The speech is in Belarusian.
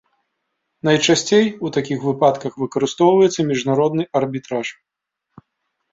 Найчасцей у такіх выпадках выкарыстоўваецца міжнародны арбітраж.